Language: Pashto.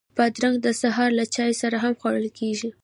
بادرنګ د سهار له چای سره هم خوړل کېږي.